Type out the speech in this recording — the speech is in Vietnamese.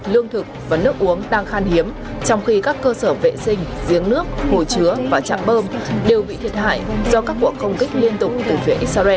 lương thực và nước uống đang khan hiếm trong khi các cơ sở vệ sinh giếng nước hồi chứa và chạm bơm đều bị thiệt hại do các cuộc không kích liên tục từ phía israel